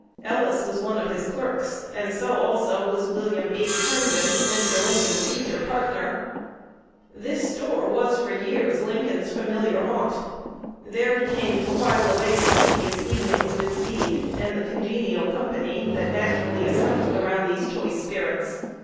Ellis was one of his clerks, and so also was William H. Herndon, Mr. Lincoln's future partner. This store was for years Lincoln's familiar haunt. There he came to while away the tedious evenings with Speed and the congenial company that naturally assembled around these choice spirits.